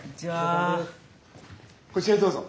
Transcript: こちらへどうぞ。